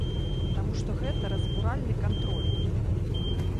Таму што гэта разбуральны кантроль.